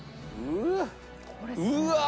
うわ！